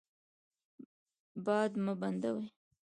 باد مه بندوئ.